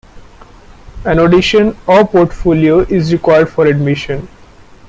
An audition or portfolio is required for admission.